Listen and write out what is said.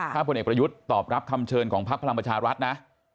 ถ้าพลเอกประยุทธ์ตอบรับคำเชิญของพักพลังประชารัฐนะ